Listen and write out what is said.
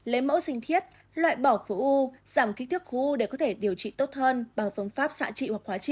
lấy mẫu sinh thiết loại bỏ khối u giảm kích thước khối u để có thể điều trị tốt hơn bằng phương pháp xạ trị hoặc khóa trị